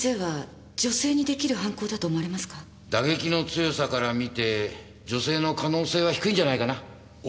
打撃の強さから見て女性の可能性は低いんじゃないかな。